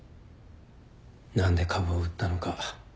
何で株を売ったのか。